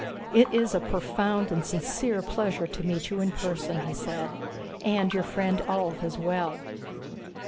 "It is a profound and sincere pleasure to meet you in person," he said. "And your friend Ulv as well."